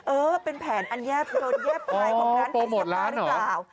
เออเป็นแผนอันแยบโดนแยบไฟล์ของร้านประเทศภาคหรือเปล่า